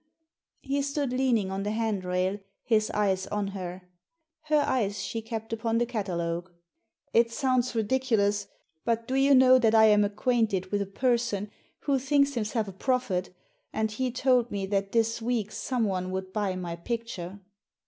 He stood lean ing on the hand rail, his eyes on her. Her eyes she kept upon the catalogue. " It sounds ridiculous ; but do you know that I am acquainted with a person who thinks himself a prophet, and he told me that this week someone would buy my picture."